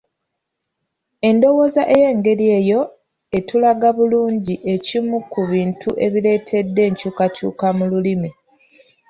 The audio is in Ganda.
Endowooza ey’engeri eyo etulaga bulungi ekimu ku bintu ebireetedde enkyukakyuka mu lulimi